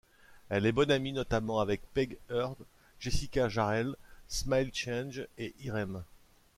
Elle est bonne amie notamment avec Paige Hurd, Jessica Jarrell, Small Change et Irem.